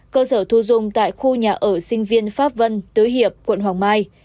cơ sở thu dung tại khu nhà ở sinh viên pháp vân tứ hiệp quận hoàng mai